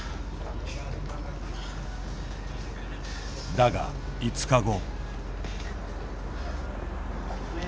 だが、５日後。